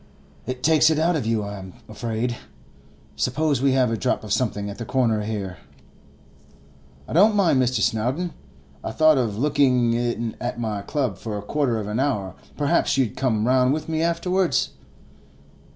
'It takes it out of you, I'm afraid. Suppose we have a drop of something at the corner here?' 'I don't mind, Mr. Snowdon. I thought of looking in at my club for a quarter of an hour; perhaps you'd come round with me afterwards?